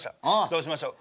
どうしましょう。